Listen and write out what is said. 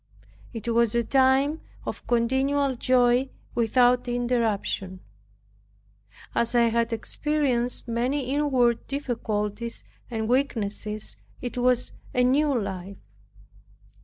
It was a time of continual joy without interruption. As I had experienced many inward difficulties and weaknesses it was a new life.